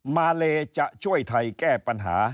มาเลจะช่วยไทยแก้ปัญหา